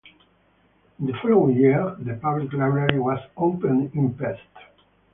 In the following year the public library was opened in Pest.